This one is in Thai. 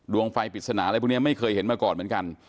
ดวงไฟปริศนาอะไรพวกนี้ไม่เคยเห็นมาก่อนเหมือนกัน